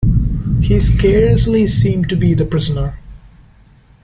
He scarcely seemed to be the prisoner.